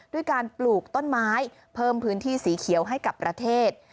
ด้วยการปลูกต้นไม้เพิ่มพื้นที่สีเขียวให้กับประเทศ